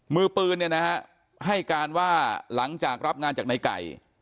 มือปืนเนี่ยนะฮะให้การว่าหลังจากรับงานจากในไก่